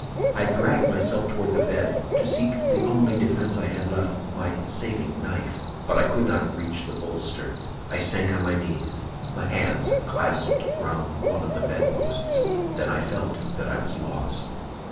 "I dragged myself toward the bed, to seek the only defense I had left—my saving knife; but I could not reach the bolster. I sank on my knees, my hands clasped round one of the bedposts; then I felt that I was lost."